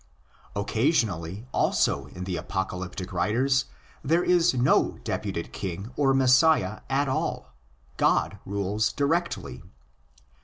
Occasionally also in the apocalyptic writers there is no deputed King or Messiah at all; God rules directly.